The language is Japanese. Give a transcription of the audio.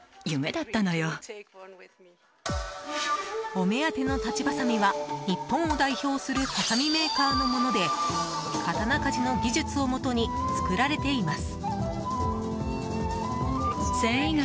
お目当ての、たちばさみは日本を代表するはさみメーカーのもので刀鍛冶の技術をもとに作られています。